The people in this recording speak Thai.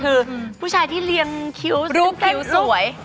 คือผู้ชายที่เลี้ยงคิ้วรูปสวย